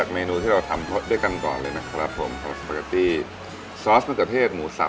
เมนูที่เราทำด้วยกันก่อนเลยนะครับผมสปาเกตตี้ซอสมะเขือเทศหมูสับ